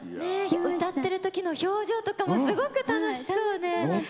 歌っているときの表情とかもすごく楽しそうで。